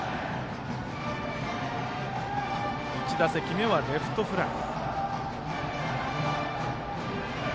１打席目はレフトフライ。